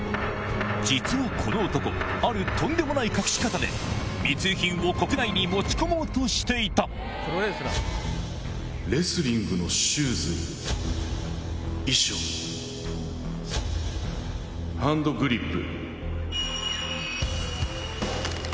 実はこの男あるとんでもない隠し方で密輸品を国内に持ち込もうとしていたレスリングのシューズ衣装ハンドグリップ